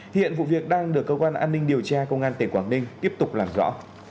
hiện vụ việc đang được cơ quan an ninh điều tra công an tỉnh quảng ninh tiếp tục làm rõ